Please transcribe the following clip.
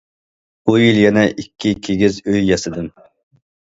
بۇ يىل يەنە ئىككى كىگىز ئۆي ياسىدىم.